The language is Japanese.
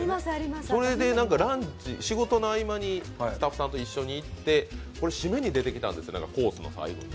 それで仕事の合間にスタッフさんと一緒に行って、締めに出てきたんですコースの最後に。